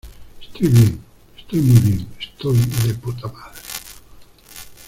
estoy bien. estoy muy bien, estoy de_puta_madre .